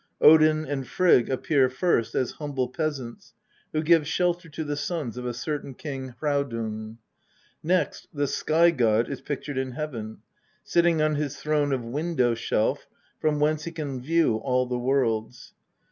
Odin and Frigg appear first as humble peasants, who give shelter to the sons of a certain King Hraudung. Next the Sky god is pictured in Heaven, sitting on his throne of Window shelf, from whence he can view all the worlds.